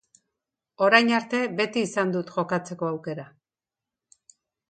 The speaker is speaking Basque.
Orain arte beti izan dut jokatzeko aukera.